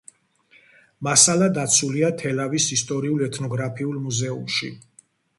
მასალა დაცულია თელავის ისტორიულ-ეთნოგრაფიული მუზეუმში.